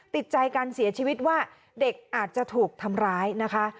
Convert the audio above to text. ติดใจการเสียชีวิตว่าเด็กอาจจะถูกทำร้ายนะคะ